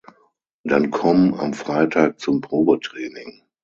Dann komm am Freitag zum Probetraining.